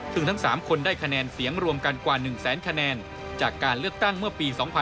ซึ่งทั้ง๓คนได้คะแนนเสียงรวมกันกว่า๑แสนคะแนนจากการเลือกตั้งเมื่อปี๒๕๖๒